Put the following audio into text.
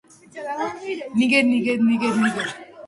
აქ ადამიანები ალიზის შენობებში ცხოვრობდნენ.